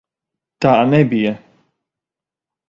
Tā nebija!